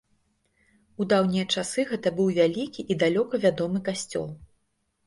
У даўнія часы гэта быў вялікі і далёка вядомы касцёл.